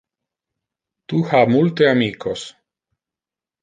Tu ha multe amicos.